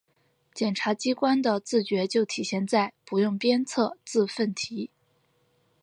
检察机关的自觉就体现在‘不用扬鞭自奋蹄’